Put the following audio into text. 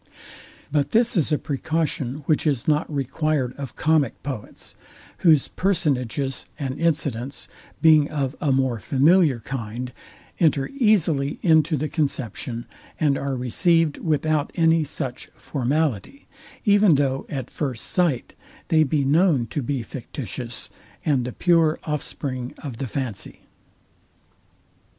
But this is a precaution, which is not required of comic poets, whose personages and incidents, being of a more familiar kind, enter easily into the conception, and are received without any such formality, even though at first night they be known to be fictitious, and the pure offspring of the fancy.